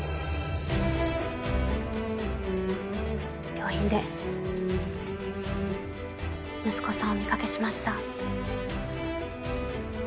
病院で息子さんをお見掛けしました。